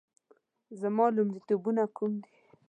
زما لومړیتوبونه کوم دي؟